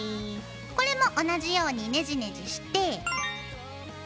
これも同じようにねじねじして。